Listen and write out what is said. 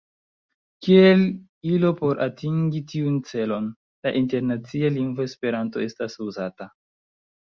Kiel ilo por atingi tiun celon, la internacia lingvo Esperanto estas uzata.